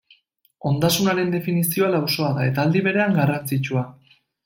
Ondasunaren definizioa lausoa da eta aldi berean garrantzitsua.